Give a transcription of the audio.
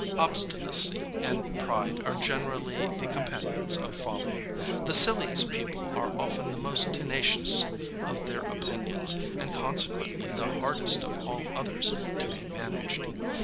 Obstinacy and pride are generally the companions of folly. The silliest people are often the most tenacious of their opinions, and, consequently, the hardest of all others to be managed.